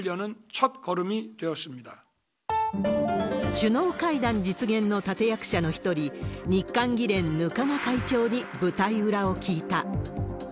首脳会談実現の立て役者の一人、日韓議連、額賀会長に舞台裏を聞いた。